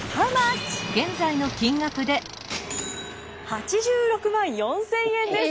８６万４，０００円です。